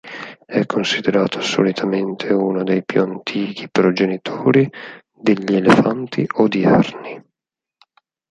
È considerato solitamente uno dei più antichi progenitori degli elefanti odierni.